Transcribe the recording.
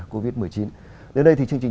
covid một mươi chín đến đây thì chương trình